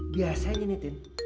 biasanya nih tin